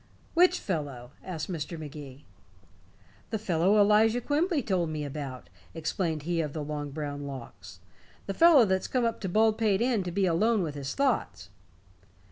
"Which fellow?" asked Mr. Magee. "The fellow Elijah Quimby told me about," explained he of the long brown locks. "The fellow that's come up to Baldpate Inn to be alone with his thoughts."